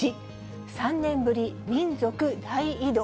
３年ぶり民族大移動？